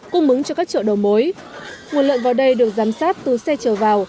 cung mứng cho các chợ đầu mối nguồn lợn vào đây được giám sát từ xe chở vào